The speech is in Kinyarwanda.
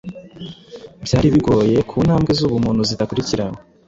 Byari bigoye, ku ntambwe zubumuntu zidakurikiranwa